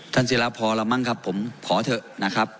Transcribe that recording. ศิราพอแล้วมั้งครับผมขอเถอะนะครับ